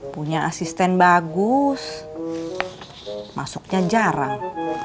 punya asisten bagus masuknya jarang